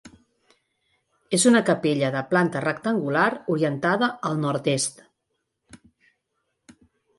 És una capella de planta rectangular orientada a Nord-est.